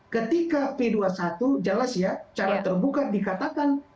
ketika p dua puluh satu jelas ya cara terbuka dikatakan